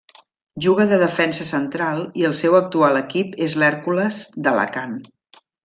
Juga de defensa central i el seu actual equip és l'Hèrcules d'Alacant.